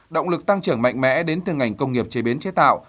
động lực tăng trưởng mạnh mẽ đến từ ngành công nghiệp chế biến chế tạo